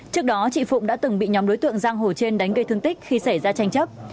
trước đó chị phụng đã từng bị nhóm đối tượng giang hồ trên đánh gây thương tích khi xảy ra tranh chấp